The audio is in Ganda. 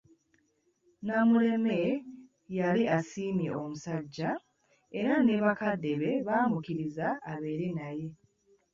Namuleme yali asiimye omusajja era ne bakadde be baamukkiriza abeere naye.